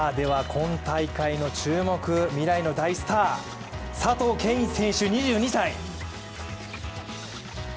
今大会の注目未来の大スター、佐藤恵允選手２２歳。